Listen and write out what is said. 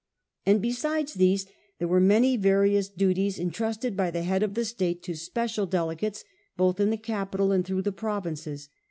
And besides these, there were many various duties entrusted by the head of the state to special delegates, both in the capital and through the provinces.